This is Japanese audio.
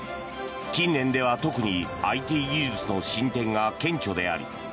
近年では特にＩＴ技術の進展が顕著でありｅ